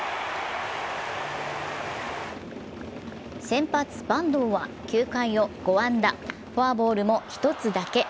先発・板東は、９回を５安打、フォアボールも１つだけ。